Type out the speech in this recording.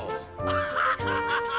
「アハハハ！」